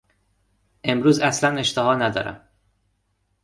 امروز اصلا اشتها ندارم.